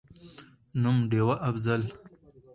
نوم: ډېوه«افضل»